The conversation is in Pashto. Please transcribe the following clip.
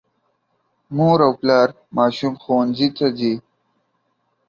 مور او پلار ماشوم ښوونځي ته ځي.